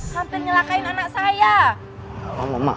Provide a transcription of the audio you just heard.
sampai nyelakain anak saya